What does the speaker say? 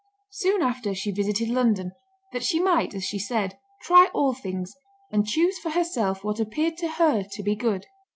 Soon after she visited London, that she might, as she said, "try all things" and choose for herself what appeared to her "to be good."